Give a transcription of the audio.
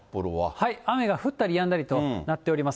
雨が降ったりやんだりとなっております。